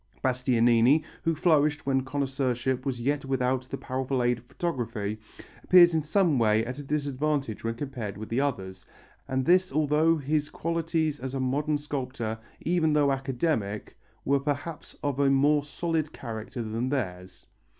Bastianini, who flourished when connoisseurship was yet without the powerful aid of photography, appears in some way at a disadvantage when compared with the others, and this although his qualities as a modern sculptor, even though academic, were perhaps of a more solid character than theirs.